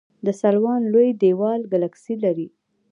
د سلوان لوی دیوال ګلکسي لري.